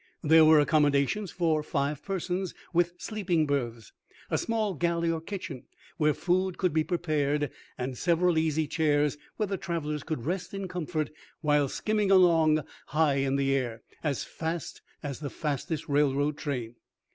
There were accommodations for five persons, with sleeping berths, a small galley or kitchen, where food could be prepared, and several easy chairs where the travelers could rest in comfort while skimming along high in the air, as fast as the fastest railroad train.